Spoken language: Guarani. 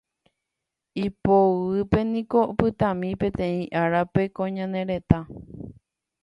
ipoguýpe niko opytami peteĩ árape ko ñane retã